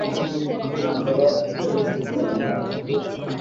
yambara umweru n'umukara mumyambaro yabo